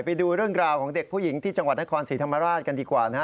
ไปดูเรื่องราวของเด็กผู้หญิงที่จังหวัดนครศรีธรรมราชกันดีกว่านะฮะ